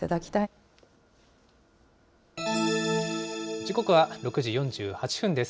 時刻は６時４８分です。